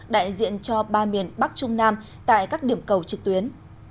đại diện cho ba miền bắc trung nam tại các điểm cầu trực tuyến